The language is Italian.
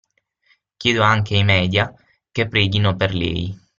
Chiedo anche ai media che preghino per lei.